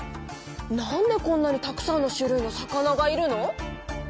なんでこんなにたくさんの種類の魚がいるの？